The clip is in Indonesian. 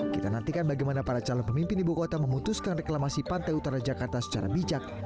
kita nantikan bagaimana para calon pemimpin ibu kota memutuskan reklamasi pantai utara jakarta secara bijak